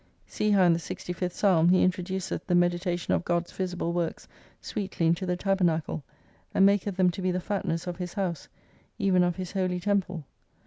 See how in the 65th psalm he introduceth the^ meditation of God's visible works sweetly into the Tabernacle and maketh them to be the fatness of His house, even of His Holy Temple.